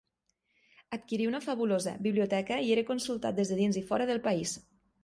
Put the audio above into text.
Adquirí una fabulosa biblioteca i era consultat des de dins i fora del país.